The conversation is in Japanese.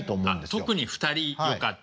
あっ特に２人よかった？